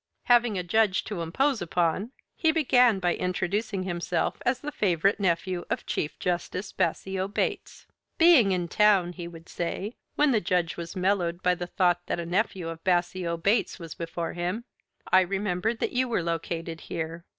Having a judge to impose upon he began by introducing himself as the favorite nephew of Chief Justice Bassio Bates. "Being in town," he would say, when the Judge was mellowed by the thought that a nephew of Bassio Bates was before him, "I remembered that you were located here.